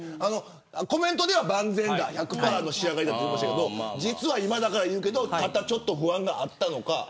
コメントでは万全だ、１００パーの仕上がりだと言っていましたが今だから言うけど肩、ちょっと不安があったのか。